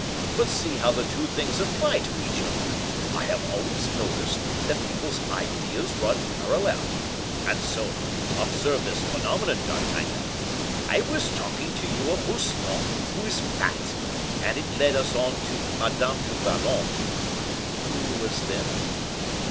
But see how the two things apply to each other. I have always noticed that people's ideas run parallel. And so, observe this phenomenon, D'Artagnan. I was talking to you of Mouston, who is fat, and it led us on to Madame du Vallon " "Who was thin?"